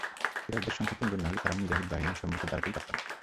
কুরাইশদের সংখ্যা তিনগুণ না হলে তারা মুজাহিদ বাহিনীর সম্মুখে দাঁড়াতেই পারত না।